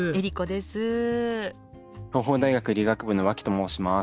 東邦大学理学部の脇と申します。